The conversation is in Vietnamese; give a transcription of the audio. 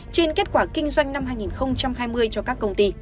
trên kết quả kinh doanh năm hai nghìn hai mươi cho các công ty